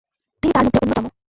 তিনি তার মধ্যে অন্যতম।